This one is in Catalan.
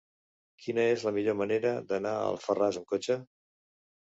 Quina és la millor manera d'anar a Alfarràs amb cotxe?